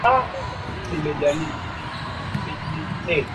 ye lengo la kuwatimua kwenye misitu kadhaa kivu kusini